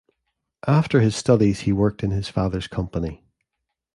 After his studies, he worked in his father's company.